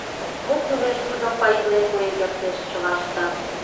Мо кӱлеш, тудым паитлен пуэн кертеш, чыла ышта.